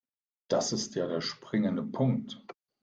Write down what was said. Das ist ja der springende Punkt.